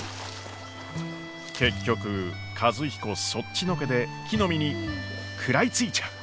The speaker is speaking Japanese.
結局和彦そっちのけで木の実に食らいついちゃう。